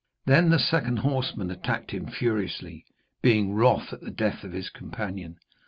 Then the second horseman attacked him furiously, being wroth at the death of his companion.